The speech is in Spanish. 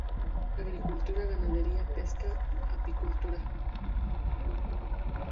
Agricultura, ganadería, pesca, apicultura.